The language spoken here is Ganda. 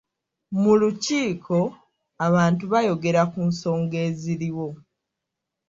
Mu lukiiko, abantu baayogera ku nsonga eziriwo.